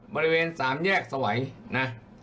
บริเวณสามแยกสวัยนะ